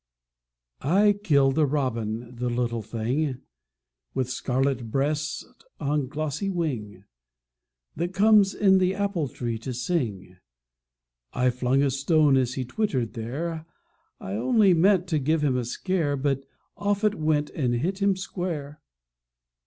I killed a Robin the little thing, With scarlet breast on a glossy wing, That comes in the apple tree to sing. I flung a stone as he twittered there, I only meant to give him a scare, But off it went and hit him square.